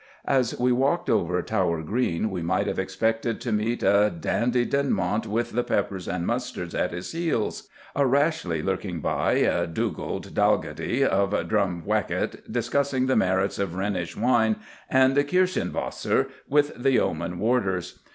As we walked over Tower Green we might have expected to meet a Dandie Dinmont with the Peppers and Mustards at his heels, a Rashleigh lurking by, a Dugald Dalgetty of Drumthwacket discussing the merits of Rhenish wine and Kirschenwasser with the yeomen warders.